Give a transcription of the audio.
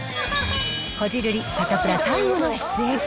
こじるり、サタプラ最後の出演。